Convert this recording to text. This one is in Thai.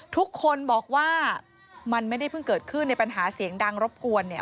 ทุกคนบอกว่ามันไม่ได้เพิ่งเกิดขึ้นในปัญหาเสียงดังรบกวนเนี่ย